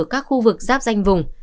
các khu vực giáp danh vùng